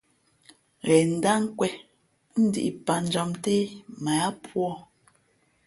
Ghen ndát nkwēn ά dǐʼ pǎtjam nté mα ǎ púá.